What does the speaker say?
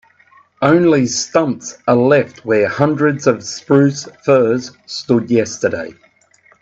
Only stumps are left where hundreds of spruce firs stood yesterday.